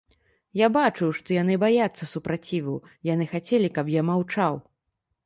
Я бачыў, што яны баяцца супраціву, яны хацелі, каб я маўчаў.